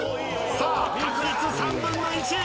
さあ確率３分の１！